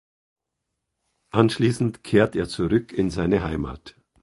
Anschließend kehrt er zurück in seine Heimat.